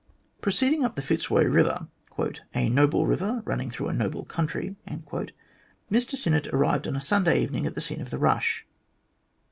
Proceeding up the Fitzroy Biver " a noble river running through a noble country " Mr Sinnett arrived on a Sunday evening at the scene of the " rush."